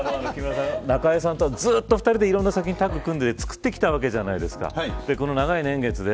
中江さんとはずっと２人でいろんな作品をタッグ組んで作ってきたわけじゃないですか。